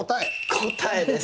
答えです。